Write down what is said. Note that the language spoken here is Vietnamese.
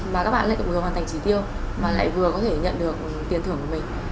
mà các bạn lại vừa hoàn thành chỉ tiêu mà lại vừa có thể nhận được tiền thưởng của mình